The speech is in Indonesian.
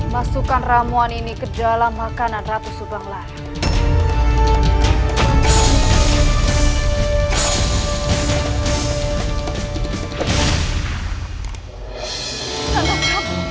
masukkan ramuan ini ke dalam makanan ratu subanglar